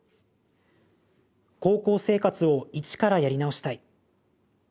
「高校生活を１からやり直したい。